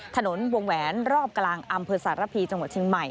ถนนวงแหวนรอบกลางอำเภอสารพีจังหวัดเชียงใหม่